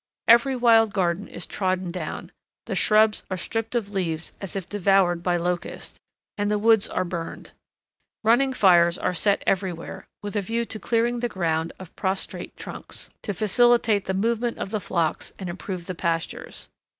Every wild garden is trodden down, the shrubs are stripped of leaves as if devoured by locusts, and the woods are burned. Running fires are set everywhere, with a view to clearing the ground of prostrate trunks, to facilitate the movements of the flocks and improve the pastures.